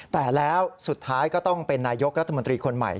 แต่แล้วสุดท้ายก็ต้องเป็นนายกรัฐมนตรีคนใหม่